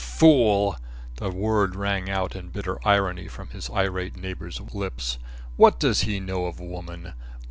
"Fool!" The word rang out in bitter irony from his irate neighbour's lips. "What does he know of woman!